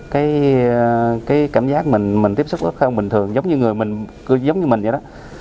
cái cảm giác mình tiếp xúc rất là bình thường giống như người mình giống như mình vậy đó